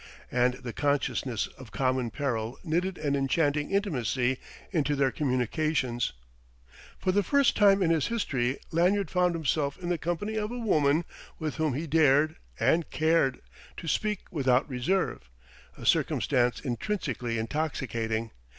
And the consciousness of common peril knitted an enchanting intimacy into their communications. For the first time in his history Lanyard found himself in the company of a woman with whom he dared and cared to speak without reserve: a circumstance intrinsically intoxicating.